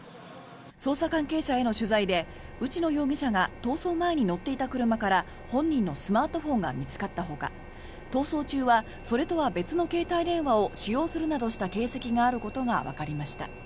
捜査関係者への取材で内野容疑者が逃走前に乗っていた車から本人のスマートフォンが見つかったほか逃走中はそれとは別の携帯電話を使用するなどした形跡があることがわかりました。